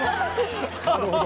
なるほど。